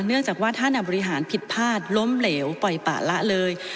เนื่องจากว่าท่านบริหารผิดพลาดล้มเหลวปล่อยปะละเลย